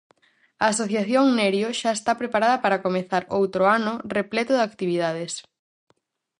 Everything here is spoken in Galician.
A Asociación Nerio xa está preparada para comezar outro ano repleto de actividades.